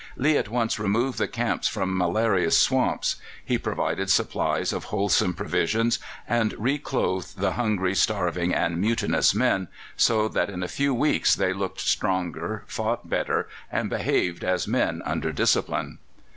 Lee at once removed the camps from malarious swamps; he provided supplies of wholesome provisions, and reclothed the hungry, starving and mutinous men, so that in a few weeks they looked stronger, fought better, and behaved as men under discipline.